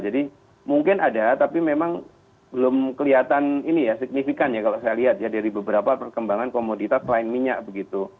jadi mungkin ada tapi memang belum kelihatan ini ya signifikan ya kalau saya lihat ya dari beberapa perkembangan komoditas lain minyak begitu